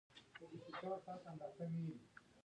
ایا زه باید کراټه وکړم؟